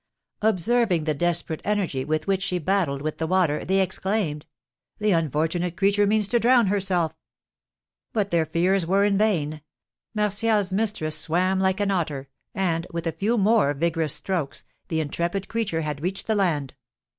Observing the desperate energy with which she battled with the water, they exclaimed: "The unfortunate creature means to drown herself!" But their fears were vain. Martial's mistress swam like an otter, and, with a few more vigorous strokes, the intrepid creature had reached the land.